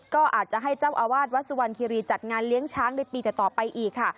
ก็อาจจะให้เจ้าอาวาสวัดสุวรรณคิรีจัดงานเลี้ยงช้างในปีต่อไปอีกค่ะ